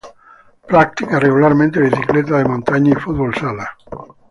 Practica regularmente Bicicleta de montaña y futbol sala.